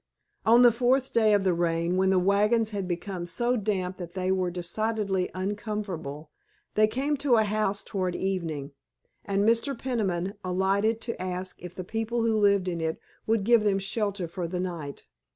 On the fourth day of the rain, when the wagons had become so damp that they were decidedly uncomfortable, they came to a house toward evening, and Mr. Peniman alighted to ask if the people who lived in it would give them shelter for the night.